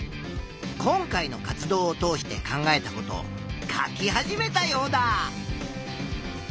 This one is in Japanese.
今回の活動を通して考えたことを書き始めたヨウダ。